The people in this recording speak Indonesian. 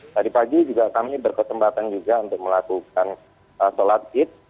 tadi pagi kami juga berkesempatan untuk melakukan sholat id